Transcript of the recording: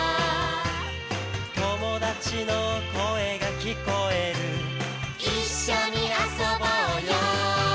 「友達の声が聞こえる」「一緒に遊ぼうよ」